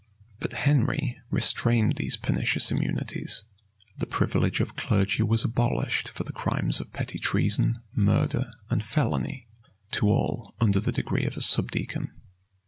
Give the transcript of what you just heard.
But Henry restrained these pernicious immunities: the privilege of clergy was abolished for the crimes of petty treason, murder, and felony, to all under the degree of a subdeacon.